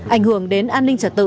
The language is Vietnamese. ảnh hưởng đến an ninh trật tự